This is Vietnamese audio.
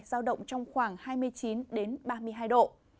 giao động trong khoảng hai mươi chín ba mươi hai độ